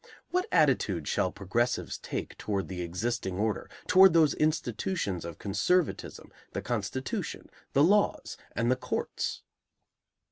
What attitude shall progressives take toward the existing order, toward those institutions of conservatism, the Constitution, the laws, and the courts?